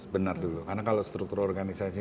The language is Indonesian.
benar dulu karena kalau struktur organisasi